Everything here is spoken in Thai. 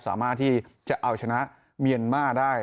สามารถที่จะเอาชนะเมียนมาร์ได้